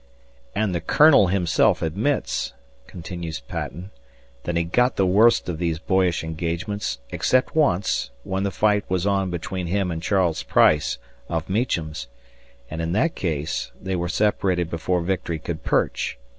"And the Colonel himself admits," continues Patton, "that he got the worst of these boyish engagements, except once, when the fight was on between him and Charles Price, of Meachem's, and in that case they were separated before victory could perch.